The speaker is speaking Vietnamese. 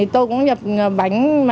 tôi cũng nhập bánh